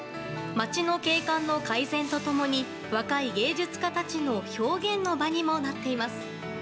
街の景観の改善と共に若い芸術家たちの表現の場にもなっています。